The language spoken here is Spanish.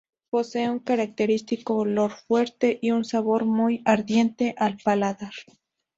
Posee un característico olor fuerte y un sabor muy ardiente al paladar.